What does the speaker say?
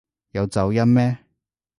有走音咩？